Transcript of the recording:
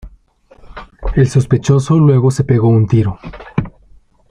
El sospechoso luego se pegó un tiro.